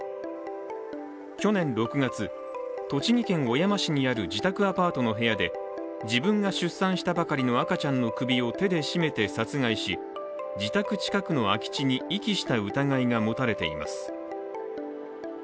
去年６月、栃木県小山市にある自宅アパートの部屋で自分が出産したばかりの赤ちゃんの首を手で絞めて殺害し、自宅近くの空き地に遺棄した疑いが持たれています。